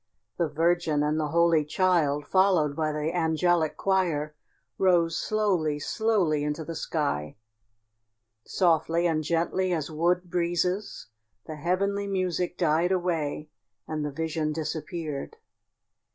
The Virgin and the Holy Child, followed by the angelic choir, rose slowly, slowly into the sky. Softly and gently as wood breezes the heavenly music died away and the vision disappeared.